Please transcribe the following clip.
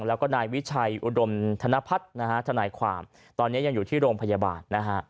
แล้วก็นายวิชัยอุดมธนพัฒน์นะฮะทนายความตอนนี้ยังอยู่ที่โรงพยาบาลนะฮะ